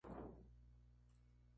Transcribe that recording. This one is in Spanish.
Sus habitantes son mayoría católicos.